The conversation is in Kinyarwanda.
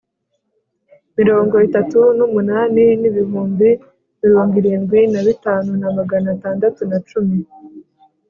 Mirongo itatu n umunani n ibihumbi mirongo irindwi na bitanu na magana atandatu na cumi